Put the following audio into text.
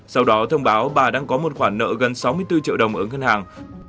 sau đó thông báo bà đang có một khoản nợ gần sáu mươi bốn triệu đồng ở ngân hàng